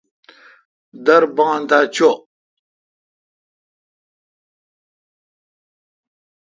دور بان تھا چو۔